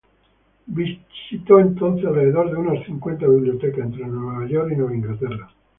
Visitó entonces alrededor de unas cincuenta bibliotecas entre Nueva York y Nueva Inglaterra.